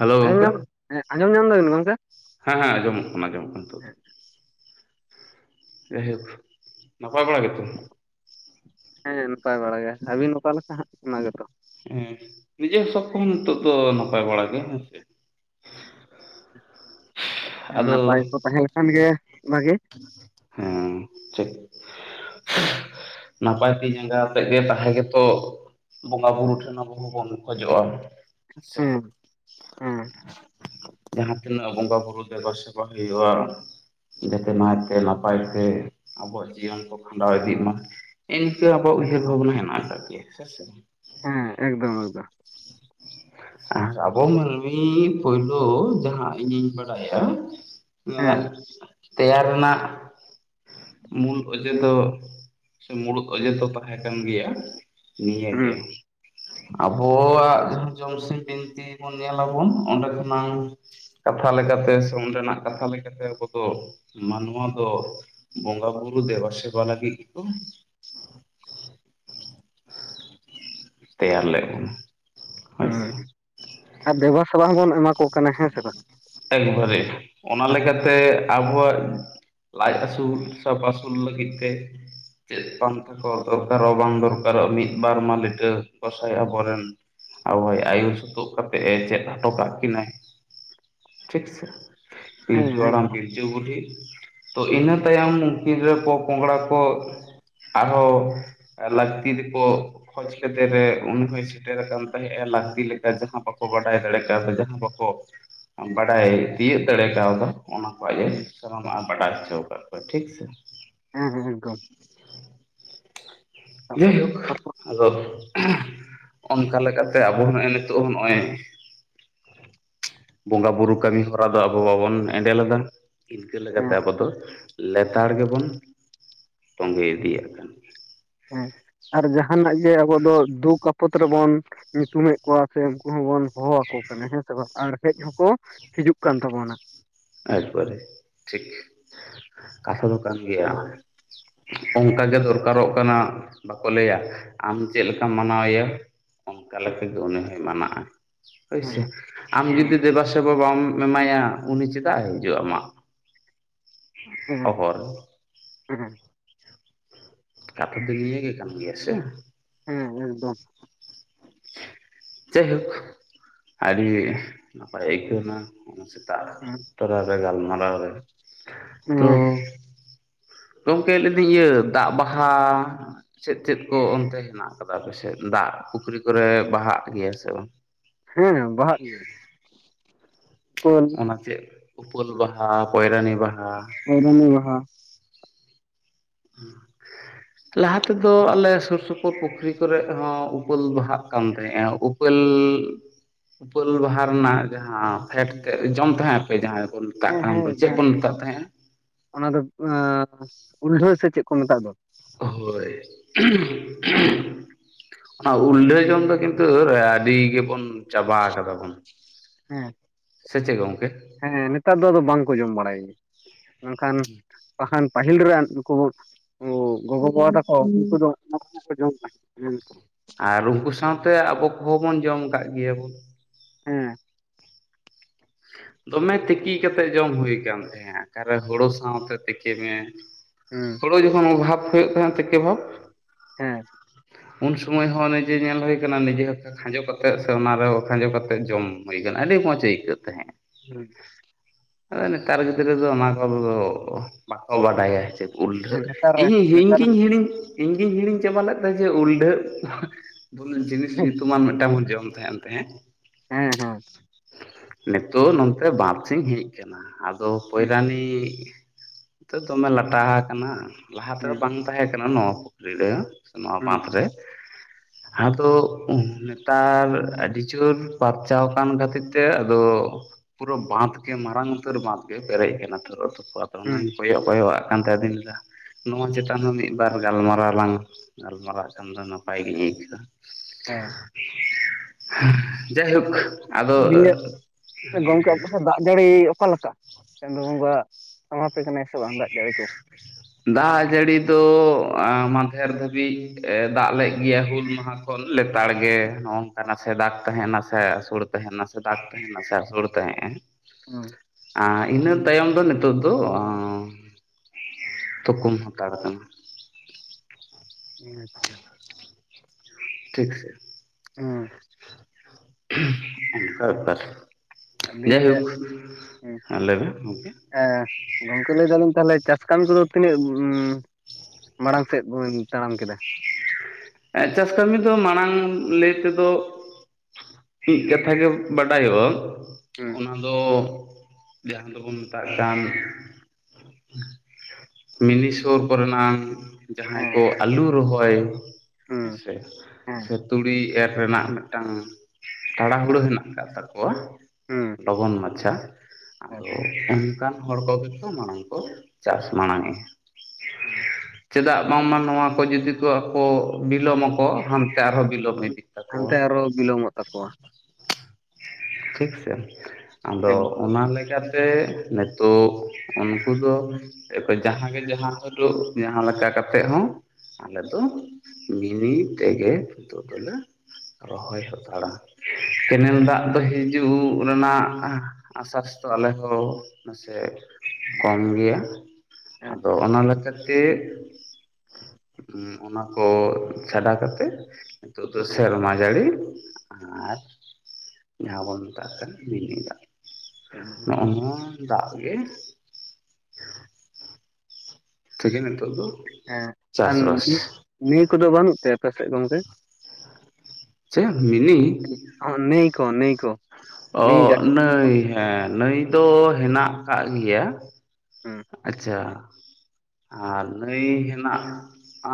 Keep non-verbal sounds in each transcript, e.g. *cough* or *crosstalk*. Hello ᱟᱸᱡᱚᱢ ᱜᱚᱝᱠᱮ ᱧᱟᱢᱸ ᱟᱸᱡᱚᱢ ᱧᱟᱢ ᱫᱟᱵᱤᱱ ᱜᱚᱢᱠᱮ? ᱦᱮᱸ ᱦᱮᱸ ᱟᱡᱚᱸᱢᱚᱜ ᱠᱟᱱᱟ ᱟᱡᱚᱸᱢᱚᱜ ᱠᱟᱱᱟ ᱱᱤᱛᱚᱜ ᱫᱚ᱾ ᱡᱟᱭᱦᱳᱠ ᱱᱟᱯᱟᱭ ᱠᱚᱲᱟ ᱜᱮ ᱛᱚ? ᱦᱮᱸ ᱱᱟᱯᱟᱭ ᱵᱟᱲᱟ ᱜᱮ, ᱟᱹᱵᱤᱱ ᱚᱠᱟ ᱞᱮᱠᱟ ᱦᱟᱸᱜ ᱚᱱᱟ ᱜᱮᱛᱚ? ᱦᱮᱸ ᱱᱤᱡᱮ ᱥᱚᱵ ᱠᱚᱦᱚᱸ ᱱᱤᱛᱚᱜ ᱫᱚ ᱱᱟᱯᱟᱭ ᱵᱟᱲᱟ ᱜᱮ ᱦᱮᱸ ᱥᱮ᱾ ᱦᱮ ᱟᱫᱚ ᱱᱟᱯᱟᱭ ᱠᱚ ᱛᱟᱦᱮᱸ ᱞᱮᱠᱷᱟᱱ ᱜᱮ ᱵᱷᱟᱜᱮ᱾ ᱦᱮᱸ ᱪᱮᱫ ᱱᱟᱯᱟᱭ ᱛᱤ ᱡᱟᱸᱜᱟ ᱟᱛᱮᱜ ᱜᱮ ᱛᱟᱦᱮᱸ ᱜᱮᱛᱚ ᱵᱚᱸᱜᱟ ᱵᱩᱨᱩ ᱴᱷᱮᱱ ᱟᱵᱚ ᱦᱚᱸᱵᱚᱱ ᱠᱷᱚᱡᱚᱜᱼᱟ᱾ ᱦᱮᱸ ᱥᱮ ᱦᱮᱸ ᱡᱟᱦᱟᱸ ᱛᱤᱱᱟᱹᱜ ᱵᱚᱸᱜᱟ ᱵᱩᱨᱩ ᱫᱮᱵᱟ ᱥᱮᱵᱟ ᱦᱩᱭᱩᱜᱼᱟ᱾ ᱡᱟᱛᱮ ᱱᱟᱭ ᱛᱮ ᱱᱟᱯᱟᱭ ᱛᱮ ᱟᱵᱚᱣᱟᱜ ᱡᱤᱭᱚᱱ ᱠᱚ ᱠᱷᱟᱸᱰᱟᱣ ᱤᱫᱤᱜ ᱢᱟ᱾ ᱦᱮ ᱱᱤᱝᱠᱟᱹ ᱟᱵᱚᱣᱟᱜ ᱩᱭᱦᱟᱹᱨ ᱮᱠᱫᱚᱢ ᱵᱷᱟᱵᱽᱱᱟ ᱦᱮᱱᱟᱜ ᱟᱠᱟᱜ ᱜᱮᱭᱟ ᱦᱮᱸ ᱥᱮ᱾ ᱦᱮᱸ ᱮᱠᱫᱚᱢ ᱮᱠᱫᱚᱢ ᱟᱨ ᱟᱵᱚ ᱢᱟᱹᱱᱢᱤ ᱯᱳᱭᱞᱳ ᱡᱟᱦᱟᱸ ᱤᱧᱤᱧ ᱵᱟ ᱲᱟᱭᱟ ᱮᱸ ᱦᱮᱸ ᱛᱮᱭᱟᱨ ᱨᱮᱱᱟᱜ ᱢᱩᱞ ᱚᱡᱮ ᱫᱚ ᱥᱮ ᱢᱩᱬᱩᱫ ᱚᱡᱮ ᱫᱚ ᱛᱟᱦᱮᱸ ᱠᱟᱱ ᱜᱮᱭᱟ ᱦᱩᱸ ᱱᱤᱭᱟᱹᱜᱮ, ᱟᱵᱚᱣᱟᱜ ᱡᱟᱦᱟᱸ ᱡᱚᱢᱥᱤᱢ ᱵᱤᱱᱛᱤ ᱵᱚᱱ ᱧᱮᱞᱟᱵᱚᱱ ᱚᱸᱰᱮ ᱠᱷᱚᱱᱟᱝ ᱛᱷᱟ ᱞᱮᱠᱟᱛᱮ ᱥᱮ ᱚᱸᱰᱮ ᱱᱟᱜ ᱠᱟᱛᱷᱟ ᱞᱮᱠᱟᱛᱮ ᱟᱵᱚ ᱫᱚ ᱢᱟᱱᱣᱟ ᱫᱚ ᱵᱚᱸᱜᱟ ᱵᱩᱨᱩ ᱫᱵᱟ ᱥᱮᱵᱟ ᱞᱟᱜᱤᱜ ᱠᱚ *inaudible* ᱛᱮᱭᱟᱨ ᱞᱮᱫ ᱵᱚᱱᱟ᱾ ᱦᱳᱭ ᱦᱩᱸ ᱥᱮ ᱟᱨ ᱫᱮᱵᱟ ᱥᱮᱵᱟ ᱦᱚᱸᱵᱚᱱ ᱮᱢᱟ ᱠᱚ ᱠᱟᱱᱟ ᱦᱮᱸ ᱥᱮ ᱵᱟᱝ᱾ ᱮᱠᱵᱟᱨᱮ ᱚᱱᱟ ᱞᱮᱠᱟᱛᱮ ᱟᱵᱚᱣᱟᱜ ᱞᱟᱡ ᱟᱹᱥᱩᱞ ᱥᱟᱵ ᱟᱹᱥᱩᱞ ᱞᱟᱹᱜᱤᱫ ᱛᱮ ᱪᱮᱫ ᱯᱟᱱᱛᱷᱟ ᱠᱚ ᱫᱚᱨᱠᱟᱨᱚᱜᱼᱟ ᱵᱟᱝ ᱫᱚᱨᱠᱟᱨᱚᱜᱼᱟ ᱢᱤᱫ ᱵᱟᱨ ᱢᱟ ᱞᱤᱴᱟᱹ ᱜᱚᱸᱥᱟᱭ ᱟᱵᱚᱨᱮᱱ ᱟᱵᱚᱭ ᱟᱭᱩᱨ ᱥᱩᱛᱩᱜ ᱠᱟᱛᱮᱜ ᱮ ᱪᱮᱫ ᱦᱚᱴᱚ ᱠᱟᱜ ᱠᱤᱱᱟᱭ᱾ ᱴᱷᱤᱠ ᱥᱮ ᱦᱮᱸ ᱯᱤᱞᱪᱩ ᱦᱟᱲᱟᱢ ᱮᱠᱫᱚᱢ ᱯᱤᱞᱪᱩ ᱵᱩᱰᱷᱤ ᱛᱚ ᱤᱱᱟᱹ ᱛᱟᱭᱚᱢ ᱩᱱᱠᱤᱱ ᱨᱮᱱ ᱯᱚᱼᱯᱚᱝᱲᱟ ᱠᱚ ᱟᱨᱦᱚᱸ ᱞᱟᱸᱠᱛᱤ ᱨᱮ ᱠᱚ ᱠᱷᱚᱚᱡ ᱠᱮᱫᱮ ᱨᱮ ᱩᱱᱤ ᱦᱚᱭ ᱥᱮᱴᱮᱨ ᱟᱠᱟᱱ ᱛᱟᱸᱦᱮᱜᱼᱟ ᱞᱟᱹᱠᱛᱤ ᱞᱮᱠᱟ ᱡᱟᱦᱟᱸ ᱵᱟᱠᱚ ᱵᱟᱰᱟᱭ ᱫᱟᱲᱮ ᱠᱟᱣᱫᱟ ᱡᱟᱦᱟᱸ ᱵᱟᱠᱚ ᱵᱟᱰᱟᱭ ᱛᱤᱭᱳᱜ ᱫᱟᱲᱮ ᱠᱟᱣᱫᱟ ᱚᱱᱟ ᱠᱚ ᱟᱡ ᱮ ᱦᱮᱸ ᱥᱟᱱᱟᱢᱼᱟᱜ ᱵᱟᱰᱟᱭ ᱪᱚ ᱠᱟᱫ ᱠᱚᱣᱟᱭ ᱴᱷᱤᱠ ᱥᱮ ᱦᱮᱸ ᱦᱮᱸ ᱮᱠᱫᱚᱢ ᱛᱟᱯᱚᱨ ᱛᱟᱯᱚᱨ *unintelligible* ᱟᱫᱚ ᱚᱱᱠᱟ ᱞᱮᱠᱟᱛᱮ ᱟᱵᱚ ᱦᱚᱸ ᱱᱚᱜᱼᱚᱭ ᱱᱤᱛᱳᱜ ᱦᱚᱸ ᱱᱚᱜᱼᱚᱭ ᱵᱚᱸᱜᱟ ᱵᱩᱨᱩ ᱠᱟᱹᱢᱤ ᱦᱚᱨᱟ ᱫᱚ ᱟᱵᱚ ᱵᱟᱵᱚᱱ ᱮᱸᱰᱮ ᱞᱮᱫᱟ᱾ ᱤᱱᱠᱟᱹ ᱞᱮᱠᱟᱛᱮ ᱦᱮᱸ ᱟᱵᱚ ᱫᱚ ᱞᱮᱛᱟᱲ ᱜᱮᱵᱚᱱ ᱛᱚᱸᱜᱮ ᱤᱫᱤᱭᱟᱜ ᱠᱟᱱᱟ᱾ ᱦᱮᱸ ᱟᱨ ᱡᱟᱦᱟᱱᱟᱜ ᱜᱮ ᱟᱵᱚ ᱫᱚ ᱫᱩᱠᱚ ᱯᱚᱛ ᱨᱮᱵᱚᱱ ᱧᱩᱛᱩᱢᱮᱜ ᱠᱚᱣᱟ ᱥᱮ ᱩᱱᱠᱩ ᱦᱚᱸᱵᱚᱱ ᱦᱚᱦᱚ ᱟᱠᱚ ᱠᱟᱱᱟ, ᱦᱮᱸ ᱥᱮ ᱵᱟᱝ ᱟᱨ ᱦᱮᱡ ᱦᱚᱸᱠᱚ ᱦᱤᱡᱩᱜ ᱠᱟᱱ ᱛᱟᱵᱚᱱᱟ᱾ ᱮᱠᱵᱟᱨᱮ ᱴᱷᱤᱠ ᱠᱟᱛᱷᱟ ᱫᱚ ᱠᱟᱱ ᱜᱮᱭᱟ᱾ ᱚᱝᱠᱟᱟᱜ ᱜᱮ ᱫᱚᱨᱠᱟᱨᱚᱜ ᱠᱟᱱᱟ᱾ ᱵᱟᱠᱚ ᱞᱟᱹᱭᱟ ᱟᱢ ᱪᱮᱫ ᱞᱮᱠᱟᱢ ᱢᱟᱱᱟᱣ ᱮᱭᱟ ᱚᱱᱠᱟ ᱦᱮᱸ ᱞᱮᱠᱟ ᱜᱮ ᱩᱱᱤ ᱦᱚᱭ ᱢᱟᱱᱟᱜ-ᱟ ᱦᱳᱭᱥᱮ ᱟᱢ ᱦᱮᱸ ᱡᱩᱫᱤ ᱫᱮᱵᱟ ᱥᱮᱵᱟ ᱵᱟᱢ ᱮᱢᱟᱭᱟ ᱩᱱᱤ ᱪᱮᱫᱟᱜᱟᱭ ᱦᱤᱡᱩᱜᱼᱟ ᱟᱢᱟᱜ ᱦᱚ ᱦᱮᱸ ᱦᱚ ᱨᱮᱫᱚ ᱦᱮᱸ ᱠᱟᱛᱷᱟ ᱫᱚ ᱱᱤᱭᱟᱹ ᱜᱮ ᱠᱟᱱ ᱜᱮᱭᱟ ᱥᱮ ᱦᱮᱸ ᱮᱠᱫᱚᱢ ᱡᱟᱭᱦᱳᱠ ᱟᱹᱰᱤ ᱱᱟᱯᱟᱭ ᱟᱹᱭᱠᱟᱹᱣᱼᱱᱟ ᱚᱱᱟ ᱥᱮ ᱛᱟ ᱦᱮᱸ ᱛᱚᱨᱟ ᱨᱮ ᱜᱟᱞᱢᱟᱨᱟᱣ ᱨᱮ ᱛᱚᱻ ᱦᱮᱸ ᱜᱚᱢᱠᱮ ᱞᱟᱹᱭᱫᱟᱹᱧ ᱤᱭᱟᱹ ᱫᱟᱜ ᱵᱟᱦᱟ ᱪᱮᱫ ᱪᱮᱫ ᱠᱚ ᱚᱱᱛᱮ ᱦᱮᱱᱟᱜ ᱟᱠᱟᱫᱟ ᱯᱮᱥᱮ ᱫᱟᱜ ᱯᱩᱠᱷᱨᱤ ᱠᱚᱨᱮ ᱵᱟᱦᱟᱜ ᱜᱮᱭᱟ ᱥᱮ ᱵᱟᱝ ᱦᱮᱸ ᱵᱟᱦᱟᱜ ᱜᱮ ᱩᱯᱟᱹᱞ ᱚᱱᱟ ᱪᱮᱫ ᱩᱯᱟᱹᱞ ᱵᱟᱦᱟ ᱯᱚᱭᱨᱟᱱᱤ ᱵᱟᱦᱟ ᱯᱚᱭᱨᱟᱱᱤ ᱵᱟᱦᱟ *inaudible* ᱞᱟᱦᱟ ᱛᱮᱫᱚ ᱟᱞᱮ ᱥᱩᱨ ᱥᱩᱯᱩᱨ ᱯᱩᱠᱷᱨᱤ ᱠᱚᱨᱮᱫ ᱦᱚᱸ ᱩᱯᱟᱹᱞ ᱵᱟᱦᱟᱜ ᱠᱟᱱ ᱛᱟᱦᱮᱸᱼᱟ ᱩᱯᱟᱹᱞ ᱩᱯᱟᱹᱞ ᱵᱟᱦᱟ ᱨᱮᱱᱟᱜ ᱡᱟᱦᱟᱸ ᱯᱷᱮᱰ ᱛᱮᱜ ᱡᱚᱢ ᱛᱟᱦᱮᱸ ᱟᱯᱮ ᱡᱟᱦᱟᱸ ᱢᱮᱛᱟᱜ ᱦᱮᱸ ᱠᱟᱱ ᱫᱚ ᱦᱮᱸ ᱪᱮᱫ ᱡᱟᱦᱟᱸ ᱵᱚᱱ ᱢᱮᱛᱟᱜ ᱛᱟᱦᱮᱸᱜᱼᱟ? ᱚᱱᱟ ᱫᱚ ᱩᱞᱰᱷᱟᱹ ᱥᱮ ᱪᱮᱫ ᱠᱚ ᱢᱮᱛᱟᱜ ᱫᱚ᱾ ᱦᱳᱭ᱾ ᱚᱱᱟ ᱩᱞᱰᱷᱟᱹ ᱡᱚᱱ ᱫᱚ ᱠᱤᱱᱛᱩ ᱟᱹᱰᱤ ᱜᱮᱵᱚᱱ ᱪᱟᱵᱟ ᱠᱟᱫᱟ ᱵᱚᱱ ᱦᱮᱸ ᱥᱮ ᱪᱮᱫ ᱜᱚᱝᱠᱮ? ᱦᱮᱸ ᱱᱮᱛᱟᱨ ᱫᱚ ᱟᱫᱚ ᱵᱟᱝ ᱠᱚ ᱡᱚᱢ ᱵᱟᱲᱟᱭᱟ ᱢᱮᱱᱠᱷᱟᱱ ᱵᱟᱠᱷᱟᱱ ᱯᱟᱹᱦᱤᱞ ᱨᱮᱱ ᱱᱩᱠᱩ ᱵ ᱜᱚᱜ ᱵᱟᱵᱟ ᱛᱟᱠᱚ ᱩᱱ *unintelligible* ᱟᱨ ᱩᱱᱠᱩ ᱥᱟᱶᱛᱮ ᱟᱵᱚ ᱠᱚᱦᱚᱸ ᱵᱚᱱ ᱡᱚᱢ ᱠᱟᱜ ᱜᱮᱭᱟᱵᱚᱱ᱾ ᱦᱮᱸ ᱫᱚᱢᱮ ᱛᱤᱠᱤ ᱠᱟᱛᱮᱫ ᱡᱚᱢ ᱦᱩᱭ ᱠᱟᱱ ᱛᱟᱦᱮᱸ ᱟᱠᱟᱨᱮ ᱦᱩᱲᱩ ᱥᱟᱶᱛᱮ ᱛᱤᱠᱤ ᱢᱮ᱾ ᱦᱮᱸ ᱦᱳᱲᱳ ᱡᱚᱠᱷᱚᱱ ᱚᱵᱷᱟᱵᱽ ᱦᱩᱭᱩᱜ ᱛᱟᱦᱮᱸᱫ ᱛᱮᱠᱮ ᱵᱷᱟᱵᱽ ᱦᱮᱸ ᱩᱱ ᱥᱩᱢᱚᱭ ᱦᱚᱸ ᱱᱤᱡᱮ ᱧᱮᱞ ᱦᱩᱭ ᱟᱠᱟᱱᱟ ᱱᱤᱡᱮ ᱦᱚᱸ᱾ ᱠᱷᱟᱸᱡᱚ ᱠᱟᱛᱮᱜ ᱥᱮ ᱚᱱᱟᱨᱮ ᱠᱷᱟᱸᱡᱚ ᱠᱟᱛᱮ ᱡᱚᱢ ᱦᱩᱭ ᱟᱠᱟᱱᱟ ᱟᱹᱰᱤ ᱢᱚᱸᱡᱽ ᱟᱹᱭᱠᱟᱹᱜ ᱛᱟᱦᱮᱸᱫ᱾ ᱦᱮᱸ ᱟᱫᱚ ᱱᱮᱛᱟᱨ ᱜᱤᱫᱽᱨᱟᱹ ᱫᱚ ᱚᱱᱟ ᱠᱚᱫᱚ ᱵᱟᱠᱚ ᱵᱟᱰᱟᱭᱟ ᱪᱮᱫ᱾ ᱩᱞᱰᱷᱟᱹᱜ ᱱᱮᱛᱟᱨ ᱤᱧ ᱱᱮᱛᱟᱨ ᱤᱧᱜᱤᱧ ᱦᱤᱲᱤᱧ ᱤᱧ ᱜᱤᱧ ᱦᱤᱲᱤᱧ ᱪᱟᱵᱟ ᱞᱮᱫ ᱛᱟᱦᱮᱸ ᱡᱮ ᱩᱞᱰᱷᱟᱹᱜ ᱵ ᱡᱤᱱᱤᱥ ᱦᱮᱸ ᱧᱩᱛᱩᱢᱟᱱ ᱢᱤᱫᱴᱟᱝ ᱵᱚᱱ ᱡᱚᱢ ᱛᱟᱦᱮᱸ ᱮᱱᱛᱮ᱾ ᱦᱮᱸ ᱦᱮᱸ ᱱᱤᱛᱳᱜ ᱱᱚᱱᱛᱮ ᱵᱟᱸᱫ ᱥᱤᱧ ᱦᱮᱡ ᱟᱠᱟᱱᱟ ᱟᱫᱚ ᱦᱩᱸ ᱯᱚᱭᱨᱟᱱᱤ ᱛᱚ ᱫᱚᱢᱮ ᱞᱟᱴᱟ ᱟᱠᱟᱱᱟ ᱞᱟᱦᱟ ᱛᱮᱫᱚ ᱦᱩᱸ ᱵᱟᱝ ᱛᱟᱦᱮᱸ ᱠᱟᱱᱟ ᱱᱚᱣᱟ ᱯᱩᱠᱷᱨᱤ ᱨᱮ᱾ ᱥᱮ ᱱᱚᱣᱟ ᱦᱩᱸ ᱵᱟᱸᱫᱽ ᱨᱮ᱾ ᱟᱫᱚ ᱱᱮᱛᱟᱨ ᱟᱹᱰᱤ ᱡᱳᱨ ᱯᱟᱨᱪᱟᱣ ᱟᱠᱟᱱ ᱠᱷᱟᱹᱛᱤᱨ ᱛᱮ ᱟᱫᱚ ᱯᱩᱨᱟᱹ ᱵᱟᱸᱫᱽ ᱜᱮ ᱢᱟᱨᱟᱝ ᱩᱛᱟᱹᱨ ᱵᱟᱸᱫᱽᱜᱮ ᱯᱮᱨᱮᱡ ᱟᱠᱟᱱᱟ ᱛᱚᱨᱚ ᱛᱚᱯᱚ ᱾ ᱦᱩᱸ ᱚᱱᱟᱧ ᱠᱚᱭᱚᱜ ᱠᱚᱭᱚᱜ ᱟᱜ ᱠᱟᱱ ᱛᱟᱦᱮᱸ ᱟᱫᱩᱧ ᱞᱟᱹᱭᱫᱟ ᱱᱚᱣᱟ ᱪᱮᱛᱟᱱ ᱦᱚᱸ ᱢᱤᱫᱵᱟᱨ ᱜᱟᱞᱢᱟᱨᱟᱣ ᱞᱟᱝ ᱜᱟᱞᱢᱟᱨᱟᱜ ᱠᱷᱟᱱ ᱫᱚ ᱱᱟᱯᱟᱭ ᱜᱤᱧ ᱟᱹᱭᱠᱟᱹᱣ-ᱟ᱾ ᱦᱮᱸ ᱡᱟᱭᱦᱳᱠ ᱟᱫᱚ ᱵ *unintelligible* ᱜᱚᱝᱠᱮ ᱫᱟᱜ ᱡᱟᱹᱲᱤ ᱚᱠᱟ ᱞᱮᱠᱟ ᱪᱟᱸᱫ ᱵᱚᱸᱜᱟ ᱥᱟᱶᱛᱮ ᱛᱮᱜᱮ ᱱᱮᱥ ᱦᱚᱸᱵᱟᱝ ᱫᱟᱜ ᱡᱟᱹᱲᱤ ᱠᱚ᱾ ᱫᱟᱜ ᱡᱟᱹᱲᱤ ᱫᱚ ᱢᱟᱫᱷᱮᱨ ᱫᱷᱟᱹᱵᱤᱡ ᱫᱟᱜ ᱞᱮᱫ ᱜᱮᱟᱭ ᱦᱩᱞ ᱢᱟᱦᱟ ᱠᱷᱚᱱ ᱞᱮᱛᱟᱲ ᱜᱮ ᱱᱚᱜᱼᱱᱚᱝᱠᱟᱱᱟᱜ ᱥᱮ ᱫᱟᱜ ᱛᱟᱦᱮᱸᱱᱟ ᱥᱮ ᱟᱥᱳᱲ ᱛᱟᱦᱮᱸᱱᱟ ᱥᱮ ᱫᱟᱜ ᱛᱟᱦᱮᱸᱱᱟ ᱥᱮ ᱟᱥᱳᱲ ᱛᱟᱦᱮᱸᱜᱼᱮ ᱦᱩᱸ ᱟᱨ ᱤᱱᱟᱹ ᱛᱟᱭᱚᱢ ᱫᱚ ᱱᱤᱛᱚᱜ ᱫᱚ ᱛᱩᱠᱩᱢ ᱦᱟᱛᱟᱲ ᱠᱟᱱᱟ᱾ ᱦᱮᱸ ᱟᱪᱪᱷᱟ᱾ ᱴᱷᱤᱠ ᱥᱮ᱾ ᱦᱩᱸ ᱚᱱᱠᱟ ᱵᱮᱯᱟᱨ ᱾ ᱫᱤᱭᱮ ᱡᱟᱭᱦᱳᱠ ᱞᱮᱭᱢᱮ ᱜᱚᱢᱠᱮ ᱦᱮᱸ ᱜᱚᱝᱠᱮ ᱞᱟᱹᱭ ᱫᱟᱹᱞᱤᱧ ᱛᱟᱦᱚᱞᱮ ᱪᱟᱥ ᱠᱟᱹᱢᱤ ᱠᱚᱫᱚ ᱛᱤᱱᱟᱹᱜ ᱢᱟᱲᱟᱝ ᱥᱮᱫ ᱵᱚᱱ ᱛᱟᱲᱟᱢ ᱠᱮᱫᱟ? ᱪᱟᱥ ᱠᱟᱹᱢᱤ ᱫᱚ ᱢᱟᱲᱟᱝ ᱞᱟᱹᱭ ᱛᱮᱫᱚ ᱢᱤᱫ ᱠᱟᱛᱷᱟ ᱜᱮ ᱵᱟᱰᱟᱭᱚᱜᱼᱟ ᱦᱩᱸ ᱚᱱᱟ ᱫᱚ ᱡᱟᱦᱟᱸ ᱫᱚᱵᱚᱱ ᱢᱮᱛᱟᱜ ᱠᱟᱱ *inaudible* ᱢᱤᱱᱤ ᱥᱳᱨ ᱠᱚᱨᱮᱱᱟᱝ ᱡᱟᱦᱟᱸᱭ ᱦᱮᱸ ᱠᱚ ᱟᱞᱩ ᱨᱚᱦᱚᱭ ᱦᱮᱸ ᱦᱩᱸ ᱥᱮ ᱦᱮᱸ ᱥᱮ ᱛᱩᱲᱤ ᱮᱨ ᱨᱮᱱᱟᱜ ᱢᱤᱫᱴᱟᱝ ᱴᱟᱲᱟᱦᱩᱲᱟᱹ ᱦᱮᱱᱟᱜ ᱟᱠᱟᱫ ᱛᱟᱠᱚᱣᱟ ᱦᱩᱸ ᱾ ᱞᱚᱜᱚᱱ ᱢᱟᱪᱷᱟ ᱟᱫᱚ ᱚᱱᱠᱟᱱ ᱦᱚᱲ ᱠᱚᱜᱮ ᱢᱟᱲᱟᱝ ᱠᱚ ᱪᱟᱥ ᱢᱟᱲᱟᱝ ᱮ᱾ *inaudible* ᱪᱮᱫᱟᱜ ᱵᱟᱝᱢᱟ ᱱᱚᱣᱟ ᱠᱚ ᱡᱩᱫᱤ ᱠᱚ ᱟᱠᱚ ᱵᱤᱞᱚᱢᱟᱠᱚ ᱦᱟᱱᱛᱮ ᱟᱨᱦᱚᱸ ᱵᱤᱞᱚᱢ ᱤᱫᱤ ᱛᱟᱠᱚᱣᱟ ᱾ ᱦᱟᱱᱛᱮ ᱟᱨᱚ ᱵᱤᱞᱚᱢᱚᱜ ᱛᱟᱠᱚᱣᱟ ᱾ ᱴᱷᱤᱠ ᱥᱮ ᱾ ᱟᱫᱚ ᱮᱠ ᱚᱱᱟ ᱞᱮᱠᱟᱛᱮ ᱥᱮ ᱱᱤᱛᱚᱜ ᱩᱱᱠᱩ ᱫᱚ ᱡᱟᱦᱟ ᱜᱮ ᱡᱟᱦᱟ ᱥᱩᱴᱩᱜ ᱡᱟᱦᱟ ᱞᱮᱠᱟ ᱠᱟᱛᱮᱜ ᱦᱚᱸ ᱟᱞᱮ ᱫᱚ ᱢᱤᱱᱤ ᱛᱮᱜᱮ ᱱᱤᱛᱚᱜ ᱫᱚᱞᱮ ᱨᱚᱦᱚᱭ ᱦᱟᱛᱟᱲᱟ ᱾ ᱠᱮᱱᱮᱞ ᱫᱟᱜ ᱫᱚ ᱦᱤᱡᱩᱜ ᱨᱮᱱᱟᱜ ᱟᱥᱥᱟᱥ ᱫᱚ ᱟᱞᱮ ᱦᱚ ᱱᱟᱥᱮ ᱠᱚᱢ ᱜᱮᱭᱟ ᱾ ᱟᱫᱚ ᱟᱪᱪᱷᱟ ᱚᱱᱟ ᱞᱮᱠᱟ- -ᱛᱮ ᱚᱱᱟ ᱠᱚ ᱪᱷᱟᱰᱟ ᱠᱟᱛᱮᱜ ᱱᱤᱛᱚᱜ ᱫᱚ ᱦᱩᱸ ᱥᱮᱨᱢᱟ ᱡᱟᱹᱲᱤ ᱟᱨ ᱡᱟᱦᱟ ᱵᱚᱱ ᱢᱮᱛᱟᱜ ᱠᱟᱱ ᱢᱤᱱᱤ ᱫᱟᱜ ᱾ ᱱᱚᱜ ᱱᱚᱣᱟ ᱫᱟᱜ ᱜᱮ ᱛᱮᱜᱮ ᱱᱤᱛᱚᱜ ᱫᱚ ᱦᱮᱸ ᱟᱨ ᱪᱟᱥᱵᱟᱥ ᱱᱟᱹᱭ ᱠᱚᱫᱚ ᱵᱟᱹᱱᱩᱜ ᱛᱮ ᱟᱯᱮ ᱥᱮᱫ ᱜᱚᱝᱠᱮ? ᱪᱮᱫ ᱢᱤᱱᱤ? ᱱᱟᱹᱭ ᱠᱳ ᱱᱟᱹᱭ ᱠᱳ ᱚ ᱱᱟᱹᱭ ᱾ ᱦᱮ ᱱᱟᱹᱭ ᱫᱚ ᱦᱮᱱᱟᱜ ᱠᱟᱜ ᱜᱮᱭᱟ ᱦᱩᱸ ᱟᱪᱪᱷᱟ ᱟᱨ ᱱᱟᱹᱭ ᱦᱮᱱᱟᱜ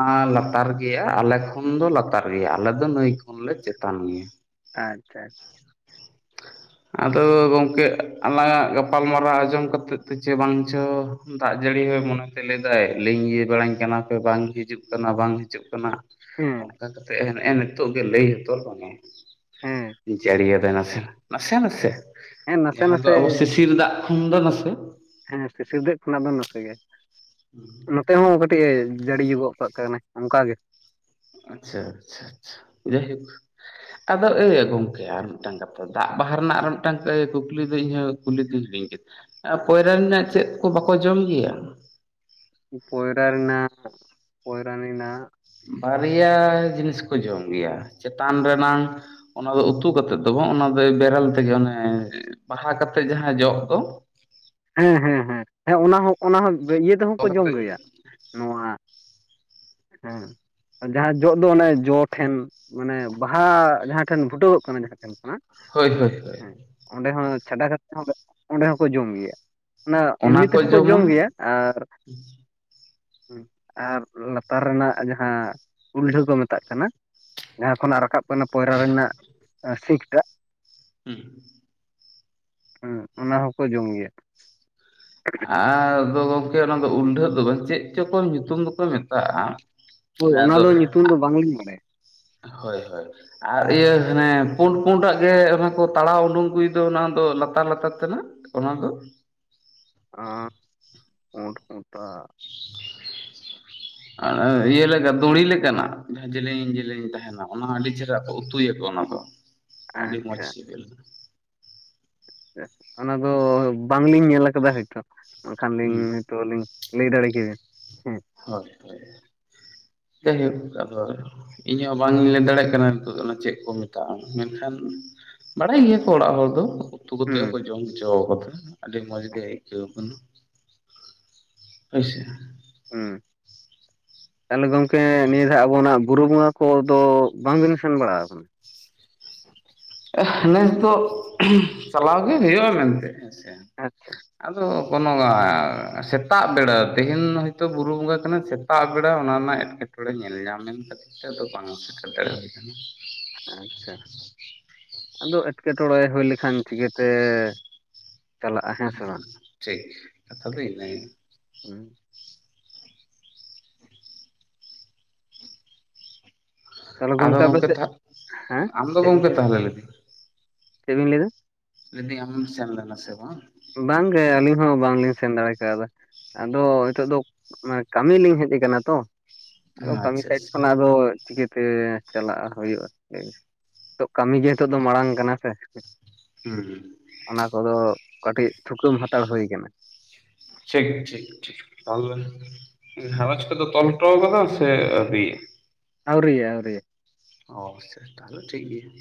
ᱟ ᱞᱟᱛᱟᱨ ᱜᱮᱭᱟ ᱟᱞᱮ- ᱠᱷᱳᱱ ᱫᱚ ᱞᱟᱛᱟᱨ ᱜᱮᱭᱟ, ᱟᱞᱮ ᱫᱚ ᱱᱟᱹᱭ ᱠᱷᱚᱱᱞᱮ ᱪᱮᱛᱟᱱ ᱜᱮᱭᱟ ᱾ ᱟᱪᱪᱷᱟ ᱟᱪᱪᱷᱟ ᱟᱫᱚ ᱜᱚᱢᱠᱮ ᱟᱞᱟᱝ ᱟᱜ ᱜᱟᱯᱟᱞᱢᱟᱨᱟᱣ ᱟᱡᱚᱢ ᱛᱮ ᱪᱚ ᱵᱟᱝ ᱪᱚ᱾ ᱫᱟᱜ ᱡᱟᱹᱲᱤ ᱦᱚᱭ ᱢᱚᱱᱮᱛᱮ ᱞᱟᱹᱭᱮᱫᱟᱭ ᱞᱤᱜᱤᱧ ᱵᱟᱲᱟᱧ ᱠᱟᱱᱟ ᱯᱮ ᱵᱟᱝ ᱦᱤᱡᱩᱜ ᱠᱟᱱᱟ ᱵᱟᱝ ᱦᱤᱡᱩᱜ ᱠᱟᱱᱟ᱾ *inaudible* ᱦᱮᱸ ᱚᱱᱠᱟ ᱠᱟᱛᱮᱫ ᱦᱮᱸᱜᱼᱮ ᱱᱤᱛᱚᱜ ᱜᱮ ᱞᱟᱹᱭ ᱦᱚᱛᱚᱨ ᱢᱟᱱᱮ ᱦᱮᱸ ᱡᱟᱹᱲᱤᱭᱟᱫᱟᱭ ᱱᱟᱥᱮ ᱱᱟᱜ ᱱᱟᱥᱮ ᱱᱟᱥᱮ ᱦᱮᱸ ᱱᱟᱥᱮ ᱡᱟᱦᱟ ᱫᱚ ᱱᱟᱥᱮ ᱟᱵᱚ ᱥᱤᱥᱤᱨ ᱫᱟᱜ ᱠᱷᱚᱱ ᱫᱚ ᱱᱟᱥᱮ ᱦᱮᱸ ᱥᱤᱥᱤᱨ ᱫᱟᱜ ᱠᱷᱚᱱᱟᱜ ᱫᱚ ᱱᱟᱥᱮ ᱜᱮ ᱾ ᱱᱚᱛᱮ ᱦᱚ ᱠᱟᱹᱴ- -ᱛᱮ ᱡᱟᱹᱲᱤ ᱜᱚᱜ ᱠᱟᱱᱟᱭ ᱚᱱᱠᱟ ᱜᱮ ᱟᱪᱪᱷᱟ ᱟᱪᱪᱷᱟ ᱟᱪᱪᱷᱟ ᱾ ᱡᱟᱭᱦᱳᱠ ᱟᱫᱚ ᱮ ᱜᱚᱝᱠᱮ ᱟᱨ ᱢᱤᱫᱴᱟᱝ ᱠᱟᱛᱷᱟ ᱫᱟᱜ ᱵᱟᱦᱟ ᱨᱮᱱᱟᱜ ᱟᱨ ᱢᱤᱫᱴᱟᱝ ᱠᱩᱠᱞᱤ ᱫᱚ ᱤᱧᱟᱹᱜ ᱠᱩᱞᱤ ᱫᱩᱧ ᱦᱤᱲᱤᱧ ᱠᱮᱫᱟ ᱾ ᱯᱚᱭᱨᱟᱱᱤ ᱨᱮᱱᱟᱜ ᱪᱮᱫ ᱠᱚ ᱵᱟᱠᱚ ᱡᱚᱢ ᱜᱮᱭᱟ? ᱯᱚᱭᱨᱟᱱᱤ ᱨᱮᱱᱟᱜ ᱯᱚᱭᱨᱟᱱᱤ ᱱᱟ ᱵᱟᱨᱭᱟ ᱡᱤᱱᱤᱥ ᱠᱩ ᱡᱚᱢ ᱜᱮᱭᱟ ᱪᱮᱛᱟᱱ ᱨᱮᱱᱟᱝ ᱚᱱᱟ ᱫᱚ ᱩᱛᱩ ᱠᱟᱛᱮᱜ ᱫᱚ ᱵᱟᱝ ᱚᱱᱟ ᱫᱚ ᱵᱮᱨᱮᱞ ᱛᱮᱜᱮ ᱚᱱᱮ ᱵᱟᱦᱟ ᱠᱟᱛᱮᱜ ᱡᱟᱦᱟ ᱡᱚᱜ ᱫᱚ ᱦᱮᱸ ᱦᱮᱸ ᱦᱮᱸ ᱦᱮᱸ ᱚᱱᱟ ᱦᱚᱸ ᱚᱱᱟ ᱦᱚᱸ ᱤᱭᱟᱹ ᱛᱮᱦᱚᱸ ᱚ ᱠᱚ ᱡᱚᱢ ᱠᱟᱛᱮᱫ ᱜᱮᱭᱟ ᱱᱚᱣᱟ ᱦᱮᱸ ᱡᱟᱦᱟ ᱡᱚᱜ ᱫᱚ ᱚᱱᱮ ᱡᱚ ᱴᱷᱮᱱ ᱢᱟᱱᱮ ᱵᱟᱦᱟ ᱡᱟᱦᱟ ᱴᱷᱮᱱ ᱵᱷᱩᱴᱟᱜ ᱜᱚᱜ ᱠᱟᱱᱟ ᱡᱟᱦᱟᱸᱴᱷᱮᱱ ᱪᱟᱞᱩᱜ ᱦᱳᱭ ᱦᱳᱭ ᱦᱳᱭ ᱠᱟᱱᱟ ᱦᱮ ᱚᱸᱰᱮ ᱦᱚ ᱪᱷᱟᱰᱟ ᱠᱟᱛᱮ ᱦᱚᱠᱳ ᱡᱚᱢ ᱜᱮᱭᱟ᱾ ᱚᱱᱟ ᱮᱢᱱᱤ ᱛᱮᱦᱚ ᱠᱚ ᱡᱚᱢ ᱜᱮᱭᱟ ᱟᱨ ᱞᱟᱛᱟᱨ ᱨᱮᱱᱟᱜ ᱡᱟᱦᱟ ᱩᱞᱴᱦᱟᱹ ᱠᱚ ᱢᱮᱛᱟᱜ ᱠᱟᱱᱟ ᱡᱟᱦᱟ ᱠᱷᱚᱱᱟᱜ ᱨᱟᱠᱟᱵ ᱯᱚᱭᱨᱟᱱᱤ ᱨᱮᱱᱟᱜ ᱥᱤᱠᱴᱟᱜ ᱦᱤ ᱦᱩ ᱚᱱᱟ ᱦᱚᱠᱚ ᱡᱚᱢ ᱜᱮᱭᱟ᱾ ᱟᱫᱚ ᱜᱚᱢᱠᱮ ᱚᱱᱟ ᱫᱚ ᱩᱞᱰᱷᱟᱹᱜ ᱫᱚ ᱵᱟᱝ ᱪᱮᱫ ᱪᱚᱠ ᱧᱩᱛᱩᱢ ᱫᱚᱠᱚ ᱢᱮᱛᱟᱜᱼᱟ᱾ ᱦᱮ ᱦᱳᱭ ᱚᱱᱟ ᱟᱫᱚ ᱫᱚ ᱧᱩᱛᱩᱢ ᱫᱚ ᱵᱟᱝᱞᱤᱧ ᱵᱟᱲᱟᱭᱟ ᱟᱜ ᱦᱳᱭ ᱦᱳᱭ ᱟᱨ ᱤᱭᱟᱹ ᱦᱟᱱᱮ ᱯᱩᱰ ᱯᱩᱰᱟᱜ ᱜᱮ ᱚᱱᱮ ᱠᱚ ᱛᱟᱲᱟᱣ ᱩᱰᱩᱠ ᱟᱜᱩᱭ ᱫᱚ ᱚᱱᱟ ᱫᱚ ᱞᱟᱛᱟᱨ ᱞᱟᱛᱟᱨ ᱛᱮᱱᱟᱜ ᱚᱱᱟ ᱫᱚ ᱟ ᱯᱩᱴ ᱯᱩᱴᱟᱜ ᱟᱨ ᱤᱭᱟᱹ ᱞᱮᱠᱟ ᱫᱩᱲᱤ ᱞᱮᱠᱟᱱᱟᱜ ᱡᱟᱦᱟᱸ ᱡᱮᱞᱮᱧ ᱡᱮᱞᱮᱧ ᱛᱟᱦᱮᱱᱟ ᱚᱱᱟ ᱟᱹᱰᱤ ᱪᱮᱦᱨᱟ ᱠᱚ ᱩᱛᱩᱭᱟ ᱠᱚ, ᱚᱱᱟ ᱫᱚ *inaudible* ᱟᱹᱰᱤ ᱢᱚᱡᱽ ᱟᱪᱪᱷᱟ ᱥᱤᱞᱤᱞ ᱚᱱᱟ ᱫᱚ ᱵᱟᱝᱞᱤᱧ ᱧᱮᱞ ᱟᱠᱟᱫᱟ ᱦᱳᱭᱛᱳ ᱵᱟᱝᱠᱷᱟᱱ ᱞᱤᱧ ᱦᱩᱸ ᱦᱳᱭᱛᱳ ᱞᱤᱧ ᱞᱟᱹᱭ ᱫᱟᱲᱮ ᱠᱮᱭᱟ ᱦᱳᱭ ᱦᱳᱭ ᱡᱟᱭ ᱦᱳᱠ ᱟᱫᱚ ᱤᱧ ᱦᱚᱸ ᱵᱟᱝ ᱤᱧ ᱞᱟᱹᱭ ᱫᱟᱲᱮᱭᱟᱜ ᱠᱟᱱᱟ ᱱᱤᱛᱚᱜ ᱫᱚ ᱚᱱᱟ ᱪᱮᱫ ᱠᱚ ᱢᱮᱛᱟᱜᱼᱟ᱾ ᱢᱮᱱᱠᱷᱟᱱᱼᱼ ᱵᱟᱲᱟᱭ ᱜᱮᱭᱟᱠᱚ ᱚᱲᱟᱜ ᱦᱚᱲ ᱫᱚ ᱩᱛᱩ ᱠᱟᱛᱮ ᱦᱩᱸ ᱦᱚᱸᱠᱚ ᱡᱚᱢ ᱜᱮᱭᱟ᱾ ᱡᱚ ᱠᱟᱛᱷᱟ ᱦᱟᱸᱜ ᱟᱹᱰᱤ ᱢᱚᱡᱽ ᱜᱮ ᱟᱹᱭᱠᱟᱹᱣ ᱟᱠᱟᱱᱟ ᱦᱚᱭ ᱥᱮ ᱦᱩᱸ ᱛᱟᱦᱚᱞᱮ ᱜᱚᱢᱠᱮ ᱱᱤᱭᱟᱹ ᱫᱷᱟᱜ ᱟᱵᱚᱱᱟᱜ ᱵᱩᱨᱩ ᱵᱚᱸᱜᱟ ᱠᱚ ᱫᱚ ᱵᱟᱝ ᱵᱤᱱ ᱥᱮᱱ ᱵᱟᱲᱟ ᱟᱠᱟᱱᱟ? ᱱᱮᱥ ᱫᱚ ᱪᱟᱞᱟᱣ ᱜᱮ ᱦᱩᱭᱩᱜᱼᱟ ᱢᱮᱱᱛᱮᱜ ᱦᱮᱸ ᱥᱮ ᱟᱪᱪᱷᱟ ᱟᱫᱚ ᱠᱚᱱᱚ ᱥᱮᱛᱟᱜ ᱵᱮᱲᱟ ᱛᱮᱦᱮᱧ ᱦᱚᱭᱛᱳ ᱵᱩᱨᱩ ᱵᱚᱸᱜᱟ ᱠᱟᱱᱟ ᱥᱮᱛ ᱥᱮᱛᱟᱜ ᱵᱮᱲᱟ ᱚᱱᱟ ᱨᱮᱱᱟᱜ ᱮᱴᱠᱮᱴᱚᱬᱮ ᱧᱮᱞ ᱧᱟᱢᱮᱱ ᱠᱷᱟᱹᱛᱤᱨ ᱛᱮ ᱟᱫᱚ ᱵᱟᱝ ᱥᱮᱴᱮᱨ ᱫᱟᱲᱮ ᱦᱩᱭ ᱟᱠᱟᱱᱟ᱾ ᱟᱪᱪᱷᱟ ᱟᱫᱚ ᱮᱴᱠᱮᱴᱚᱬᱮ ᱦᱩᱭ ᱞᱮᱠᱷᱟᱱ ᱪᱤᱠᱟᱹ ᱛᱮᱼᱼ ᱴᱷᱤᱠ ᱠᱟᱛᱷᱟ ᱫᱚ ᱤᱱᱟᱼᱼ *unintelligible* ᱛᱟᱦᱚᱞᱮ ᱜᱚᱢᱠᱮ ᱟᱯᱮ ᱥᱮᱫ ᱦᱮᱸ ᱟᱢ ᱫᱚ ᱪᱮᱫ ᱵᱮᱤᱱ ᱜᱚᱢᱠᱮ ᱞᱟᱹᱭᱫᱟ ᱛᱟᱦᱚᱞᱮ ᱪᱮᱫ ᱵᱮᱤᱱ ᱞᱟᱹᱭᱫᱟ? ᱞᱟᱹᱭᱮᱫᱤᱧ ᱟᱢ ᱦᱚᱢ ᱥᱮᱱ ᱞᱮᱱᱟ ᱥᱮ ᱵᱟᱝ? ᱵᱟᱝ ᱜᱮ ᱟᱹᱞᱤᱧ ᱦᱚᱸ ᱵᱟᱝ ᱞᱤᱧ ᱥᱮᱱ ᱫᱟᱲᱮ ᱠᱟᱣᱫᱟ ᱾ ᱟᱫᱚ ᱱᱤᱛᱚᱜ ᱫᱚ ᱠᱟᱹᱢᱤ ᱞᱤᱧ ᱦᱮᱡ ᱟᱠᱟᱱᱟ ᱛᱚ ᱟᱫᱚ ᱠᱟᱹᱢᱤ ᱟᱪᱪᱷᱟ ᱥᱟᱭᱤᱰ ᱟᱪᱪᱷᱟ ᱠᱷᱚᱱᱟᱜ ᱟᱫᱚ ᱪᱤᱠᱟᱹ ᱛᱮ ᱪᱟᱞᱟᱜᱼᱟ ᱦᱩᱭᱩᱜᱼᱟ *unintelligible* ᱱᱤᱛᱚᱜ ᱠᱟᱹᱢᱤ ᱜᱮ ᱱᱤᱛᱚᱜ ᱫᱚ ᱢᱟᱲᱟᱝ ᱠᱟᱱᱟ ᱥᱮ ᱾ ᱦᱩᱸ ᱦᱩᱸ ᱚᱱᱟ ᱠᱚᱫᱚ ᱠᱟᱹᱴᱤᱡ ᱛᱷᱩᱠᱩᱟᱹᱢ ᱦᱟᱛᱟᱲ ᱦᱩᱭ ᱟᱠᱟᱱᱟ ᱾ ᱴᱷᱤᱠ, ᱴᱷᱤᱠ, ᱴᱷᱤᱠ ᱛᱟᱦᱚᱞᱮ᱾ ᱜᱷᱟᱨᱚᱸᱡᱽ ᱠᱚ ᱫᱚ ᱛᱚᱞᱴᱚ ᱠᱟᱫᱟᱢ ᱥᱮ ᱟᱹᱣᱨᱤᱭᱟ ᱾ ᱟᱹᱣᱨᱤᱭᱟ-ᱟᱹᱣᱨᱤᱭᱟᱼᱼ ᱚ ᱥᱮ ᱛᱟᱦᱞᱮ ᱴᱷᱤᱠ ᱜᱮᱭᱟ ᱾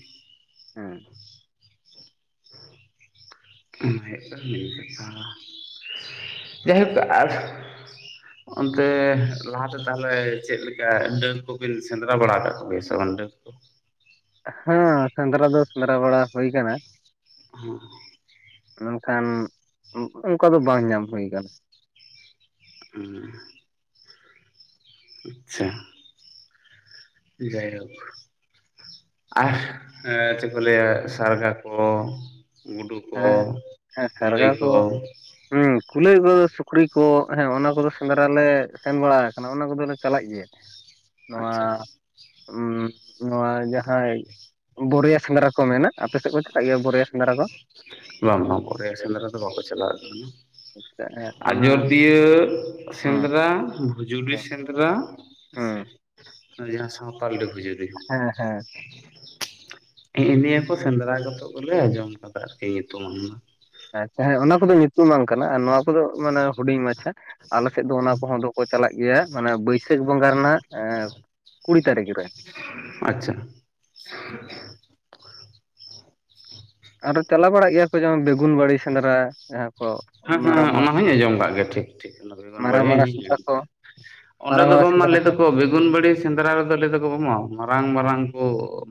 ᱦᱮᱸ *inaudible* ᱦᱳᱭᱳᱜ ᱠᱟᱱᱟ ᱱᱤᱭᱟᱹ ᱠᱟᱛᱷᱟ ᱡᱟᱭᱦᱳᱠ *inaudible* ᱚᱱᱛᱮ ᱞᱟᱦᱟ ᱛᱮ ᱛᱟᱦᱚᱞᱮ ᱪᱮᱫ ᱞᱮᱠᱟ ᱰᱟᱹᱱ ᱠᱚ ᱵᱤᱱ ᱥᱮᱸᱫᱽᱨᱟ ᱵᱟᱲᱟ ᱠᱟᱜ ᱠᱚ ᱜᱮᱭᱟ ᱥᱮ᱾ ᱛᱚ ᱚᱱᱰᱮ *unintelligible* ᱦᱮᱸ ᱥᱮᱸᱫᱽᱨᱟ ᱫᱚ ᱥᱮᱸᱫᱽᱨᱟ ᱵᱟᱲᱟ ᱦᱩᱭ ᱟᱠᱟᱱᱟ ᱾ ᱦᱩᱸ ᱢᱮᱱ ᱠᱷᱟᱱ ᱚᱱᱠᱟ ᱫᱚ ᱵᱟᱝ ᱧᱟᱢ ᱦᱩᱭ ᱟᱠᱟᱱᱟ ᱾ ᱦᱩᱸ ᱟᱪᱪᱷᱟ ᱡᱟᱭᱦᱩᱠᱼᱼ ᱟᱨ ᱮ ᱪᱮᱫ ᱠᱚ ᱞᱟᱹᱭᱟ ᱥᱟᱨᱜᱟ ᱠᱚ, ᱜᱩᱰᱩ ᱠᱚ, ᱦᱮᱸ ᱦᱮᱸ ᱠᱩᱞᱟᱹᱭ ᱥᱟᱨᱜᱟ ᱠᱚ, ᱦᱮᱸ ᱠᱩᱞᱟᱹᱭ ᱠᱚ ᱥᱩᱠᱨᱤ ᱠᱚ ᱦᱮᱸ ᱚᱱᱟ ᱠᱚᱫᱚ ᱥᱮᱸᱫᱽᱨᱟ ᱞᱮ ᱥᱮᱱ ᱵᱟᱲᱟ ᱟᱠᱟᱱᱟ ᱚᱱᱟ ᱠᱚᱫᱚᱞᱮ ᱪᱟᱞᱟᱜ ᱡᱮ ᱱᱚᱣᱟ ᱟᱪᱪᱷᱟ ᱱᱚᱣᱟ ᱡᱟᱦᱟᱸᱭ ᱵᱳᱨᱭᱟ ᱥᱮᱸᱫᱽᱨᱟ ᱠᱚ ᱢᱮᱱᱟ ᱟᱯᱮ ᱥᱮᱫ ᱠᱚ ᱪᱟᱞᱟᱜ ᱜᱮᱭᱟ ᱵᱳᱨᱭᱟ ᱥᱮᱸᱫᱽᱨᱟ ᱠᱚ, ᱵᱟᱝ ᱵᱟᱝ ᱵᱳᱨᱭᱟ ᱥᱮᱸᱫᱽᱨᱟ ᱫᱚ ᱵᱟᱠᱚ ᱪᱟᱞᱟᱣ ᱟᱠᱟᱱᱟ ᱾ ᱚᱱᱟ ᱟᱡᱚᱫᱤᱭᱟᱹ ᱦᱮᱸ ᱥᱮᱸᱫᱽᱨᱟ, ᱠᱷᱩᱡᱩᱲᱤ ᱥᱮᱸᱫᱽᱨᱟ ᱦᱮᱸ ᱥᱮ ᱡᱟᱦᱟᱸ ᱥᱟᱶᱛᱟᱞ ᱦᱮᱸ ᱦᱮᱸ *unintelligible* ᱱᱤᱜ ᱱᱤᱭᱟᱹ ᱠᱚ ᱥᱮᱸᱫᱽᱨᱟ ᱜᱚᱛᱚ ᱜᱮᱞᱮ ᱟᱸᱡᱚᱢ ᱠᱟᱫᱟ ᱾ ᱟᱨᱠᱤ *inaudible* ᱟᱪᱪᱷᱟ ᱦᱮᱸ ᱚᱱᱟ ᱠᱚᱫᱚ ᱧᱩᱛᱩᱢᱟᱱ ᱠᱟᱱᱟ ᱟᱨ ᱱᱚᱣᱟ ᱠᱚᱫᱚ ᱢᱟᱱᱮ ᱦᱩᱰᱤᱧ ᱢᱟᱪᱷᱟ ᱟᱞᱮ ᱥᱮᱫ ᱫᱚ ᱚᱱᱟ ᱠᱚᱦᱚᱸ ᱫᱚᱠᱚ ᱪᱟᱞᱟᱜ ᱜᱮᱭᱟ ᱢᱟᱱᱮ ᱵᱟᱹᱭᱥᱟᱹᱠᱷ ᱵᱚᱸᱜᱟ ᱨᱮᱱᱟᱜ ᱮ ᱠᱩᱲᱤ ᱛᱟᱨᱤᱠᱷ ᱨᱮ ᱟᱪᱪᱷᱟ ᱟᱨᱚ ᱪᱟᱞᱟᱣ ᱵᱟᱲᱟᱜ ᱜᱮᱭᱟ ᱠᱚ ᱡᱮᱢᱚᱱ ᱵᱮᱜᱩᱱ ᱵᱟᱲᱤ ᱥᱮᱸᱫᱽᱨᱟ ᱡᱟᱦᱟᱸ ᱠᱚ ᱦᱩᱸ ᱢᱟᱨᱟᱝ ᱦᱩᱸ ᱢᱟᱨᱟᱝ ᱚᱱᱟ ᱦᱚᱸᱧ ᱟᱸᱡᱚᱢ ᱟᱠᱟᱫ ᱜᱮᱭᱟ ᱴᱷᱤᱠ ᱴᱷᱤᱠ ᱚᱱᱟ ᱵᱮᱜᱩᱱ ᱢᱟᱨᱟᱝ ᱵᱟᱲᱜᱮ ᱦᱚᱸ ᱢᱟᱨᱟᱝ ᱤᱧ ᱥᱮᱸᱫᱽᱨᱟ ᱦᱤᱲᱤᱧ ᱠᱚ ᱠᱮᱫᱟ᱾ ᱚᱸᱰᱮ ᱢᱟᱨᱟᱝ ᱫᱚᱠᱚ ᱢᱟᱨᱟᱝ ᱵᱟᱝ ᱢᱟ ᱥᱮᱸᱫᱽᱨᱟ ᱞᱟᱹᱭ ᱠᱚ ᱫᱟᱠᱚ ᱵᱮᱜᱩᱱ ᱵᱟᱹᱲᱤ ᱥᱮᱸᱫᱽᱨᱟ ᱨᱮᱫᱚ ᱞᱟᱹᱭ ᱫᱟᱠᱚ ᱵᱟᱝ ᱢᱟ ᱢᱟᱨᱟᱝ ᱢᱟᱨᱟᱝ ᱠᱚ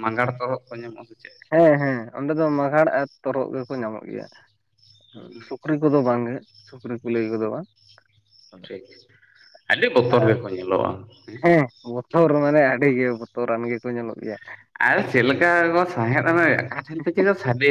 ᱢᱟᱸᱜᱟᱲ ᱛᱟᱨᱚᱵ ᱠᱚ ᱧᱟᱢᱚᱜᱼᱟ ᱥᱮ ᱪᱮᱫ ᱦᱮᱸ ᱦᱮᱸ ᱚᱸᱰᱮ ᱫᱚ ᱢᱟᱜᱷᱟᱲ ᱟᱨ ᱛᱚᱨᱚᱜ ᱜᱮᱠᱚ ᱧᱟᱢᱚᱜ ᱜᱮᱭᱟ ᱥᱮ ᱦᱩᱸ ᱥᱩᱠᱨᱤ ᱠᱚᱫᱚ ᱵᱟᱝᱜᱮ ᱥᱩᱠᱨᱤ ᱠᱩᱞᱟᱹᱭ ᱜᱚᱫᱚᱜᱼᱟ ᱵᱟᱝ᱾ ᱴᱷᱤᱠ ᱟᱹᱰᱤ ᱵᱚᱛᱚᱨ ᱜᱮᱠᱚ ᱧᱮᱞᱚᱜᱼᱟ ᱦᱮᱸ ᱦᱮᱸ ᱵᱚᱛᱚᱨ ᱢᱟᱱᱮ, ᱟᱹᱰᱤ ᱜᱮ ᱵᱚᱛᱚᱨ ᱨᱟᱱ ᱜᱮᱠᱚ ᱧᱮᱞᱚᱜ ᱜᱮᱭᱟ ᱾ ᱟᱨ ᱪᱮᱫ ᱞᱮᱠᱟ ᱠᱚ ᱥᱟᱸᱦᱮᱫ ᱫᱟ ᱟᱠᱟ ᱴᱷᱮᱱ ᱛᱮᱪᱚ ᱠᱚ ᱥᱟᱰᱮ